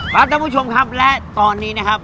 ท่านผู้ชมครับและตอนนี้นะครับ